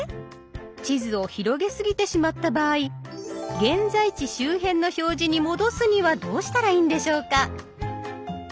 地図を広げすぎてしまった場合現在地周辺の表示に戻すにはどうしたらいいんでしょうか？